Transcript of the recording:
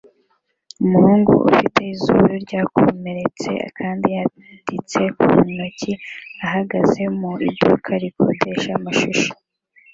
umuhungu ufite izuru ryakomeretse kandi yanditse ku ntoki ahagaze mu iduka rikodesha amashusho